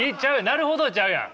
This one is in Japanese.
なるほどちゃうやん。